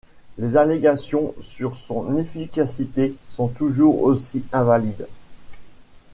Les allégations sur son efficacité sont toujours aussi invalides.